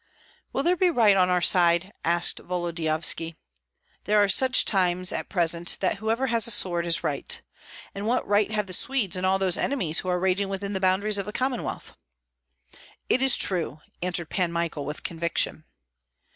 "Will there be right on our side?" asked Volodyovski. "There are such times at present that whoever has a sword is right. And what right have the Swedes and all those enemies who are raging within the boundaries of the Commonwealth?" "It is true!" answered Pan Michael, with conviction.